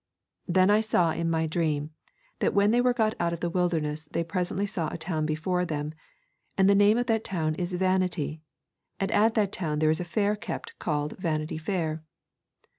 'Then I saw in my dream that when they were got out of the wilderness they presently saw a town before them, and the name of that town is Vanity, and at that town there is a fair kept called Vanity Fair.